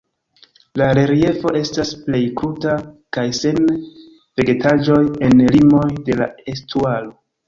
La reliefo estas plej kruta kaj sen vegetaĵoj en la limoj de la estuaro.